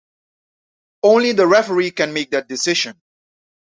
Only the referee can make that decision.